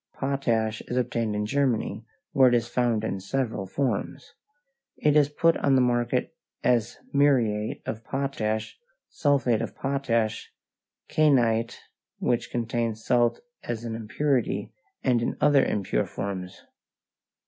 Potash is obtained in Germany, where it is found in several forms. It is put on the market as muriate of potash, sulphate of potash, kainite, which contains salt as an impurity, and in other impure forms.